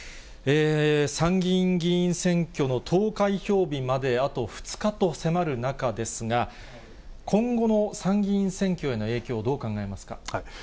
参議院議員選挙の投開票日まで、あと２日と迫る中ですが、今後の参議院選挙への影響、どう考えますか？